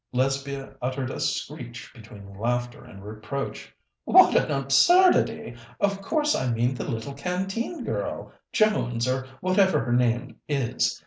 Lesbia uttered a screech between laughter and reproach. "What an absurdity! Of course I mean the little Canteen girl Jones, or whatever her name is.